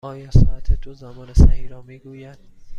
آیا ساعت تو زمان صحیح را می گوید؟